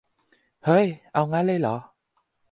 เฮ้ย เอางั้นเลยเหรอ !